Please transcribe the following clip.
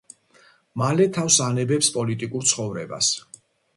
მალე თავს ანებებს პოლიტიკურ ცხოვრებას.